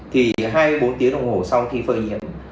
thì hai bốn tiếng đồng hồ sau khi phơi nhiễm